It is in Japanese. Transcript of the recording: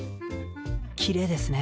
きれいですね。